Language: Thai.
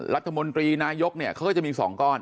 รัฐมนตรีนายกเนี่ยเขาก็จะมี๒ก้อน